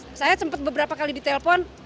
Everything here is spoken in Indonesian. jadi saya simpet beberapa kali di telpon